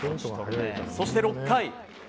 そして、６回。